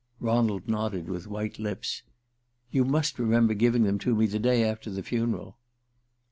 Ronald nodded with white lips. "You must remember giving them to me the day after the funeral."